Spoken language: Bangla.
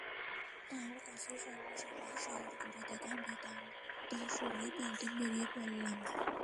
তার কাছেই স্বল্প সময়ে শহর ঘুরে দেখার বৃত্তান্ত শুনে পরদিন বেরিয়ে পড়লাম।